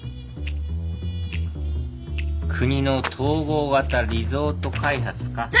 国の統合型リゾート開発か。